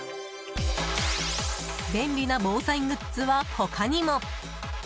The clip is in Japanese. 便利な防災グッズは他にも。